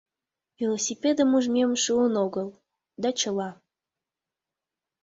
Велосипедым ужмем шуын огыл, да чыла.